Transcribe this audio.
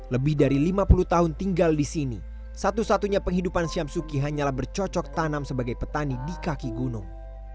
lebih dari lima puluh tahun tinggal di sini satu satunya penghidupan syamsuki hanyalah bercocok tanam sebagai petani di kaki gunung